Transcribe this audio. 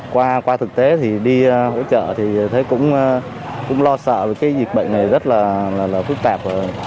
qua thực tế thì đi hỗ trợ thì thấy cũng lo sợ vì cái việc bệnh này rất là phức tạp